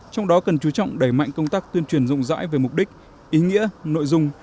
trong đó cần chú trọng đẩy mạnh công tác tuyên truyền rộng rãi về mục đích ý nghĩa nội dung